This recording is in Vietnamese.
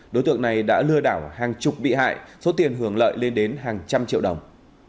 đối tượng này đã lừa đảo hàng chục bị hại số tiền hưởng lợi lên đến hàng trăm triệu đồng